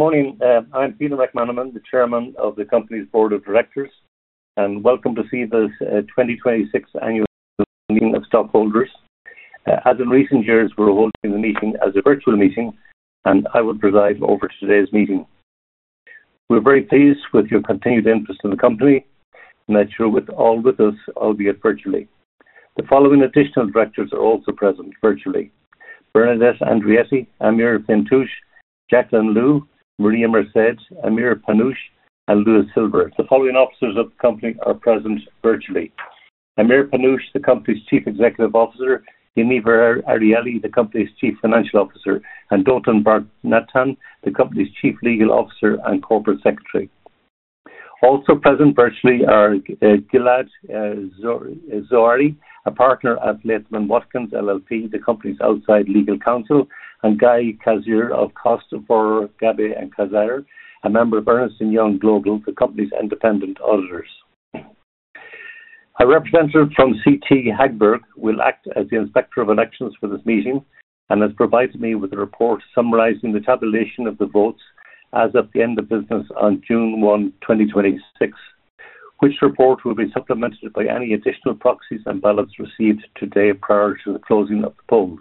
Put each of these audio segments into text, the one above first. Good morning. I'm Peter McManaman, the Chairman of the Board of Directors, and welcome to CEVA's 2026 Annual Meeting of Stockholders. As in recent years, we're holding the meeting as a virtual meeting, and I will preside over today's meeting. We're very pleased with your continued interest in the company, and I share with all of us, albeit virtually. The following additional directors are also present virtually: Bernadette Andrietti, Amir Faintuch, Jaclyn Liu, Maria Marced, Amir Faintuch, and Louis Silver. The following officers of the company are present virtually. Amir Faintuch, the company's Chief Executive Officer, Yaniv Arieli, the company's Chief Financial Officer, and Dotan Bar-Natan, the company's Chief Legal Officer and Corporate Secretary. Also present virtually are Gilad Zohari, a partner at Latham & Watkins LLP, the company's outside legal counsel, and Guy Caspi of Kost Forer Gabbay & Kasierer, a member of Ernst & Young Global, the company's independent auditors. A representative from CT Hagberg will act as the Inspector of Elections for this meeting and has provided me with a report summarizing the tabulation of the votes as of the end of business on June 1, 2026, which report will be supplemented by any additional proxies and ballots received today prior to the closing of the polls.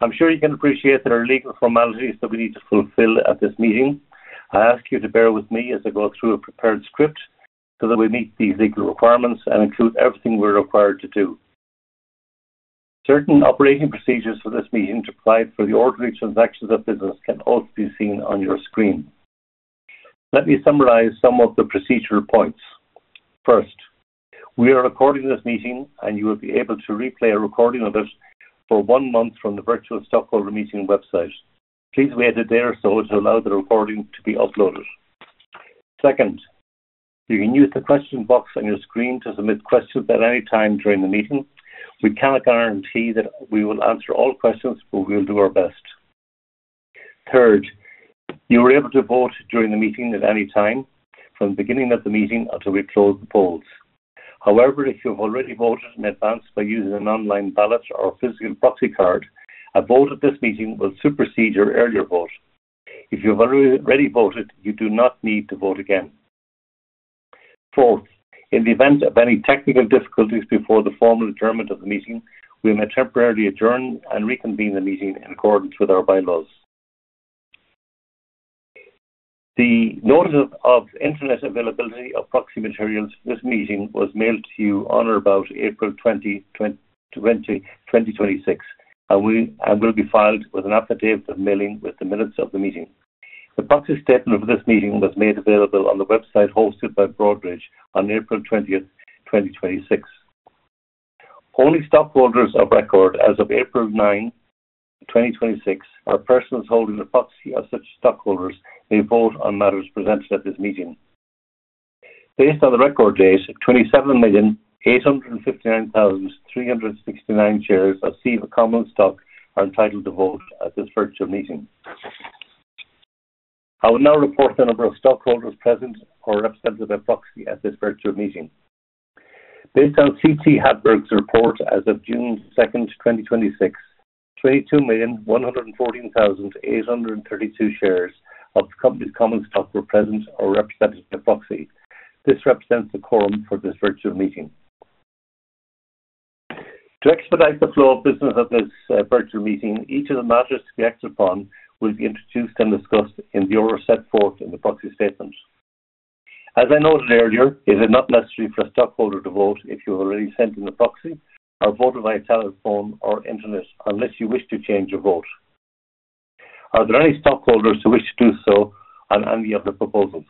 I'm sure you can appreciate there are legal formalities that we need to fulfill at this meeting. I ask you to bear with me as I go through a prepared script so that we meet these legal requirements and include everything we're required to do. Certain operating procedures for this meeting to apply for the ordinary transactions of business can also be seen on your screen. Let me summarize some of the procedural points. First, we are recording this meeting, and you will be able to replay a recording of it for one month from the virtual stockholder meeting website. Please wait it there so as to allow the recording to be uploaded. Second, you can use the question box on your screen to submit questions at any time during the meeting. We cannot guarantee that we will answer all questions, but we will do our best. Third, you are able to vote during the meeting at any time from the beginning of the meeting until we close the polls. However, if you have already voted in advance by using an online ballot or a physical proxy card, a vote at this meeting will supersede your earlier vote. If you have already voted, you do not need to vote again. Fourth, in the event of any technical difficulties before the formal adjournment of the meeting, we may temporarily adjourn and reconvene the meeting in accordance with our bylaws. The Notice of Internet Availability of Proxy Materials for this meeting was mailed to you on or about April 20, 2026, and will be filed with an affidavit of mailing with the minutes of the meeting. The proxy statement for this meeting was made available on the website hosted by Broadridge on April 20, 2026. Only stockholders of record as of April 9, 2026, or persons holding the proxy of such stockholders may vote on matters presented at this meeting. Based on the record date, 27,859,369 shares of CEVA common stock are entitled to vote at this virtual meeting. I will now report the number of stockholders present or represented by proxy at this virtual meeting. Based on CT Hagberg's report as of June 2nd, 2026, 22,114,832 shares of the company's common stock were present or represented by proxy. This represents a quorum for this virtual meeting. To expedite the flow of business at this virtual meeting, each of the matters to be acted upon will be introduced and discussed in the order set forth in the proxy statement. As I noted earlier, it is not necessary for a stockholder to vote if you have already sent in a proxy or voted by telephone or internet unless you wish to change your vote. Are there any stockholders who wish to do so on any of the proposals?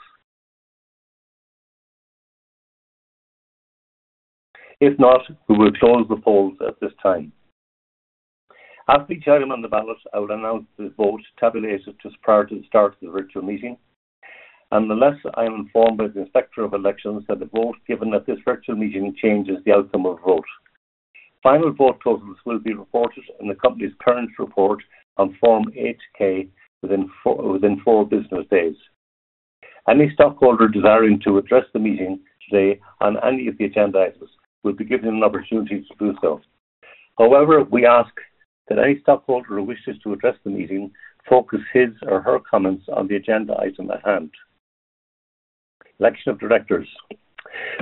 If not, we will close the polls at this time. As we count on the ballot, I will announce the vote tabulated just prior to the start of the virtual meeting, unless I am informed by the Inspector of Elections that the vote given at this virtual meeting changes the outcome of the vote. Final vote totals will be reported in the company's current report on Form 8-K within four business days. Any stockholder desiring to address the meeting today on any of the agenda items will be given an opportunity to do so. However, we ask that any stockholder who wishes to address the meeting focus his or her comments on the agenda item at hand. Election of directors.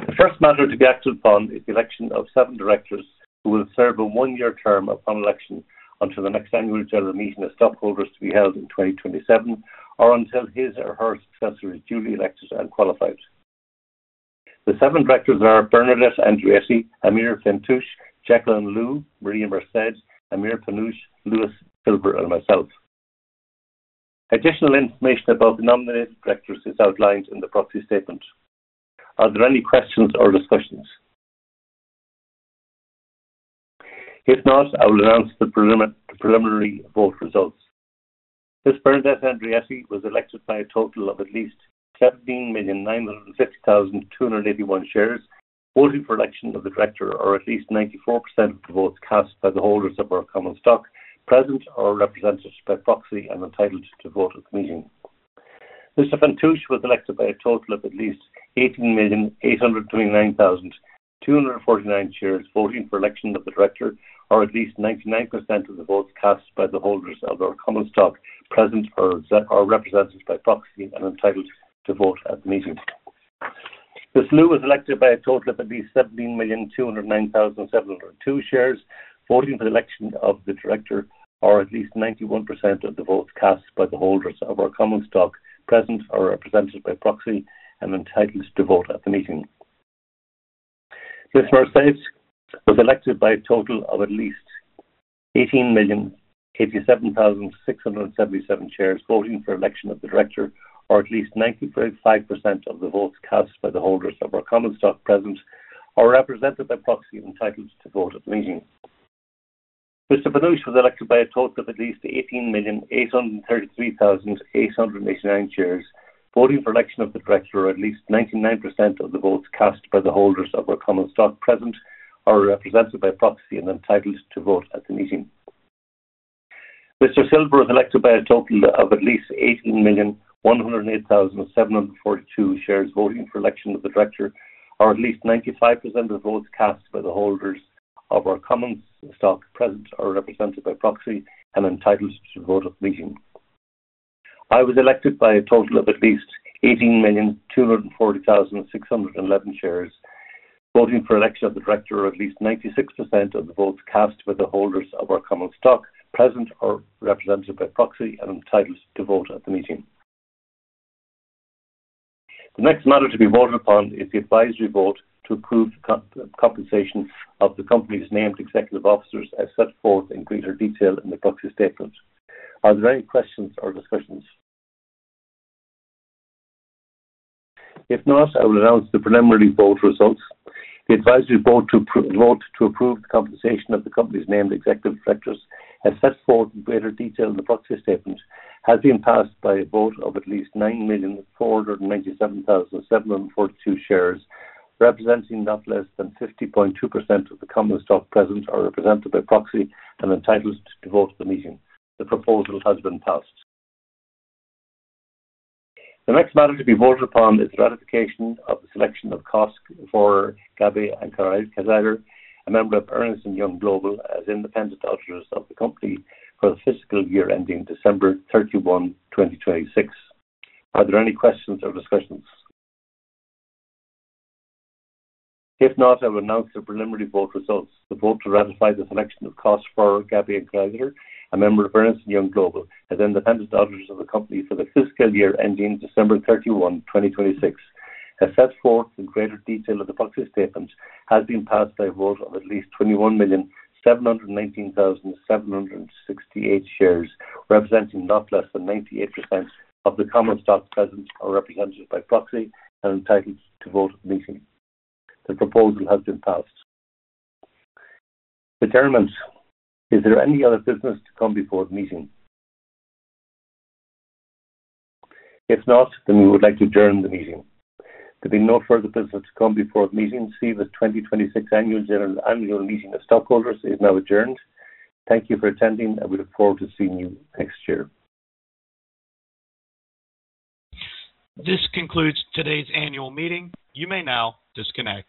The first matter to be acted upon is the election of seven directors who will serve a one-year term upon election until the next annual general meeting of stockholders to be held in 2027 or until his or her successor is duly elected and qualified. The seven directors are Bernadette Andrietti, Amir Faintuch, Jaclyn Liu, Maria Marced, Amir Faintuch, Louis Silver, and myself. Additional information about the nominated directors is outlined in the proxy statement. Are there any questions or discussions? If not, I will announce the preliminary vote results. Ms. Bernadette Andrietti was elected by a total of at least 17,950,281 shares, voting for election of the director or at least 94% of the votes cast by the holders of our common stock present or represented by proxy and entitled to vote at the meeting. Faintuch was elected by a total of at least 18,829,249 shares voting for election of the director, or at least 99% of the votes cast by the holders of our common stock present or represented by proxy and entitled to vote at the meeting. Ms. Liu was elected by a total of at least 17,209,702 shares voting for the election of the director, or at least 91% of the votes cast by the holders of our common stock present or represented by proxy and entitled to vote at the meeting. Ms. Marced was elected by a total of at least 18,087,677 shares voting for election of the director, or at least 95% of the votes cast by the holders of our common stock present or represented by proxy entitled to vote at the meeting. Mr. Panush was elected by a total of at least 18,833,889 shares voting for election of the director or at least 99% of the votes cast by the holders of our common stock present or represented by proxy and entitled to vote at the meeting. Mr. Silver was elected by a total of at least 18,108,742 shares voting for election of the director, or at least 95% of votes cast by the holders of our common stock present or represented by proxy and entitled to vote at the meeting. I was elected by a total of at least 18,240,611 shares voting for election of the director or at least 96% of the votes cast by the holders of our common stock present or represented by proxy and entitled to vote at the meeting. The next matter to be voted upon is the advisory vote to approve the compensation of the company's named executive officers as set forth in greater detail in the proxy statement. Are there any questions or discussions? If not, I will announce the preliminary vote results. The advisory vote to approve the compensation of the company's named executive directors, as set forth in greater detail in the proxy statement, has been passed by a vote of at least 9,497,742 shares, representing not less than 50.2% of the common stock present or represented by proxy and entitled to vote at the meeting. The proposal has been passed. The next matter to be voted upon is ratification of the selection of Kost Forer Gabbay & Kasierer, a member of Ernst & Young Global, as independent auditors of the company for the fiscal year ending December 31, 2026. Are there any questions or discussions? If not, I will announce the preliminary vote results. The vote to ratify the selection of Kost Forer Gabbay & Kasierer, a member of Ernst & Young Global, as independent auditors of the company for the fiscal year ending December 31, 2026, as set forth in greater detail in the proxy statement, has been passed by a vote of at least 21,719,768 shares, representing not less than 98% of the common stock present or represented by proxy and entitled to vote at the meeting. The proposal has been passed. Is there any other business to come before the meeting? If not, we would like to adjourn the meeting. There being no further business to come before the meeting, CEVA 2026 Annual Meeting of Stockholders is now adjourned. Thank you for attending, and we look forward to seeing you next year. This concludes today's Annual Meeting. You may now disconnect.